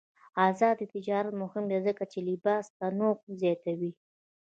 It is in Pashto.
آزاد تجارت مهم دی ځکه چې د لباس تنوع زیاتوي.